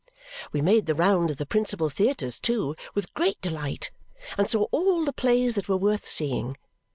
We made the round of the principal theatres, too, with great delight, and saw all the plays that were worth seeing.